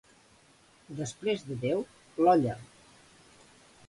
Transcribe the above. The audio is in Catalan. Després de Déu, l'olla.